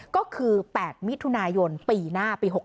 ก็คือ๘มิถุนายนปีหน้าปี๖๖